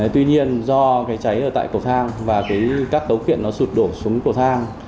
tuy nhiên do cái cháy ở tại cổ thang và các tấu kiện nó sụt đổ xuống cổ thang